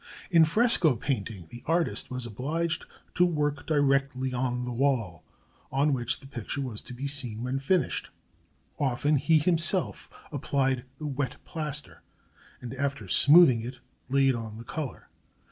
In fresco painting the artist was obliged to work directly on the wall on which the picture was to be seen when finished. Often he himself applied the wet plaster, and after smoothing it laid on the color.